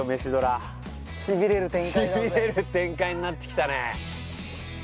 しびれる展開になってきたね。